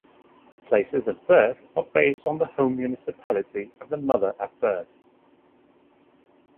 Places of birth are based on the home municipality of the mother at birth.